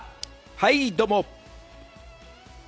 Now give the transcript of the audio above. はい、どうも。